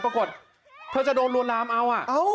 ปรากฏเธอจะโดนโรงแรมเอาอ่ะ